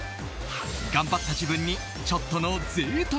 頑張った自分にちょっとの贅沢を。